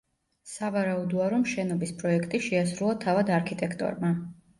სავარაუდოა, რომ შენობის პროექტი შეასრულა თავად არქიტექტორმა.